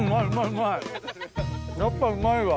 やっぱうまいわ。